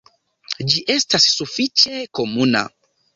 Ĝi estas sufiĉe komuna.